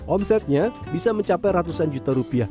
omsetnya bisa mencapai ratusan juta rupiah